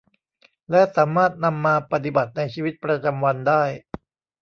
และสามารถนำมาปฏิบัติในชีวิตประจำวันได้